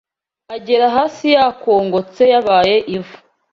Agera hasi yakongotse yabaye ivu